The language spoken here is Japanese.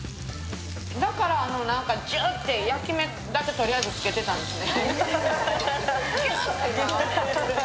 だからジュッて焼き目だけとりあえずつけてたんですね。